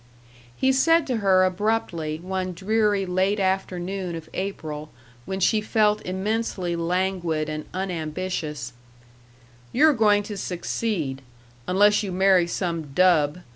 He said to her, abruptly, one dreary late afternoon of April when she felt immensely languid and unambitious: "You're going to succeed unless you marry some dub.